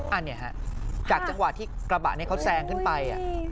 อันนี้ฮะจากจังหวะที่กระบะนี้เขาแซงขึ้นไป